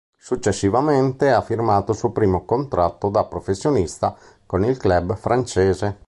Successivamente, ha firmato il suo primo contratto da professionista con il club francese.